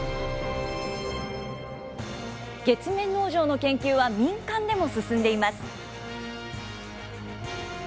月面農場の研究は民間でも進んでいます。